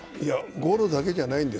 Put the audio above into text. ゴロだけじゃないんです